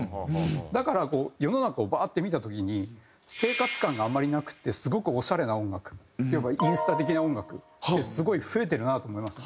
だから世の中をバーッて見た時に生活感があんまりなくてすごくオシャレな音楽要はインスタ的な音楽ってすごい増えてるなと思いません？